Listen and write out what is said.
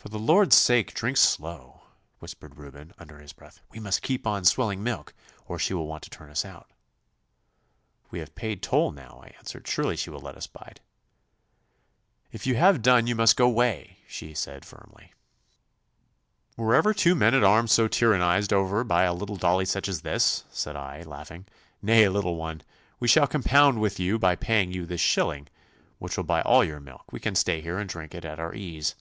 'For the Lord's sake, drink slow!' whispered Reuben, under his breath. 'We must keep on swilling milk or she will want to turn us out.' 'We have paid toll now,' I answered; 'surely she will let us bide.' 'If you have done you must go 'way,' she said firmly. 'Were ever two men at arms so tyrannised over by a little dolly such as this!' said I, laughing. 'Nay, little one, we shall compound with you by paying you this shilling, which will buy all your milk. We can stay here and drink it at our ease.